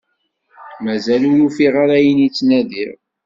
Mazal ur ufiɣ ara ayen i ttnadiɣ.